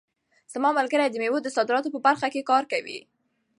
زما ملګری د مېوو د صادراتو په برخه کې کار کوي.